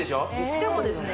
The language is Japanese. しかもですね